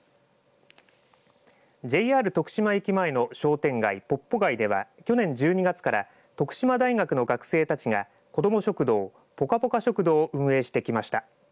ＪＲ徳島駅前の商店街ポッポ街では去年１２月から徳島大学の学生たちが子ども食堂、ぽかぽか食堂を運営してきました。